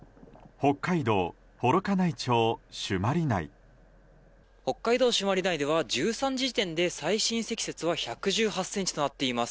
北海道朱鞠内では１３時時点で最深積雪は１１８ｃｍとなっています。